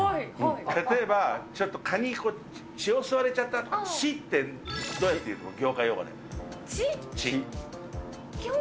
例えば、ちょっと蚊に血を吸われちゃったとか、血ってどうやって言うと思う？